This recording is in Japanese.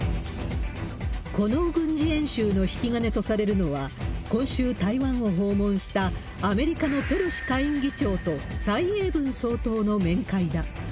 この軍事演習の引き金とされるのは、今週台湾を訪問した、アメリカのペロシ下院議長と蔡英文総統の面会だ。